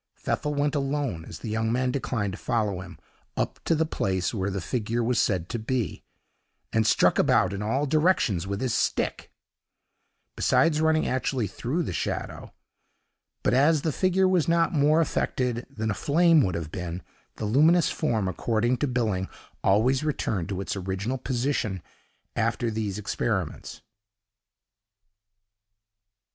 Pfeffel went alone, as the young man declined to follow him, up to the place where the figure was said to be, and struck about in all directions with his stick, besides running actually through the shadow; but the figure was not more affected than a flame would have been; the luminous form, according to Billing always returned to its original position after these experiments.